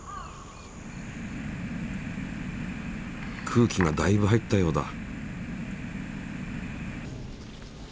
空気がだいぶ入ったようだ。